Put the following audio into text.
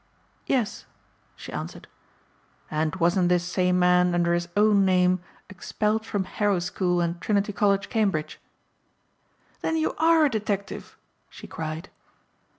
"Yes," she answered. "And wasn't this same man under his own name expelled from Harrow School and Trinity College, Cambridge." "Then you are a detective!" she cried.